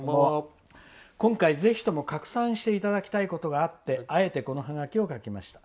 今回、ぜひとも拡散していただきたいことがあってあえてこのハガキを書きました。